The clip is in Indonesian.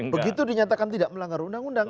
begitu dinyatakan tidak melanggar undang undang